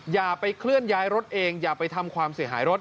อย่าไปเคลื่อนย้ายรถเองอย่าไปทำความเสียหายรถ